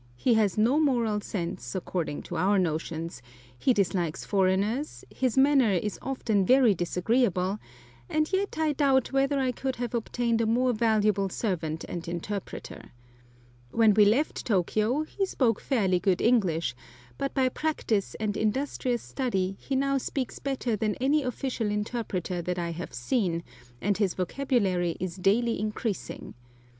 He has no moral sense, according to our notions; he dislikes foreigners; his manner is often very disagreeable; and yet I doubt whether I could have obtained a more valuable servant and interpreter. When we left Tôkiyô he spoke fairly good English, but by practice and industrious study he now speaks better than any official interpreter that I have seen, and his vocabulary is daily increasing.